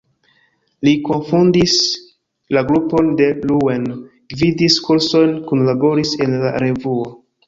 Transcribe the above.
Li kunfondis la grupon de Rouen, gvidis kursojn, kunlaboris en la Revuo.